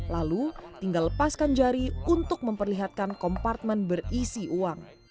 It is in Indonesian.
lalu tinggal lepaskan jari untuk memperlihatkan kompartmen berisi uang